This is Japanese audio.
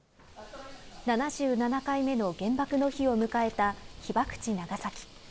７７回目の原爆の日を迎えた被爆地、長崎。